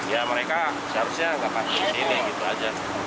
ya mereka seharusnya enggak parkir di sini gitu saja